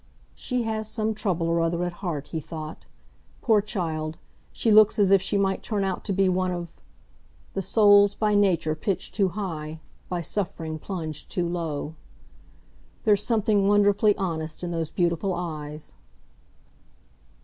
"She has some trouble or other at heart," he thought. "Poor child! she looks as if she might turn out to be one of 'The souls by nature pitched too high, By suffering plunged too low.' "There's something wonderfully honest in those beautiful eyes."